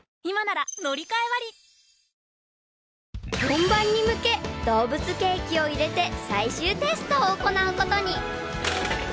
［本番に向け動物ケーキを入れて最終テストを行うことに］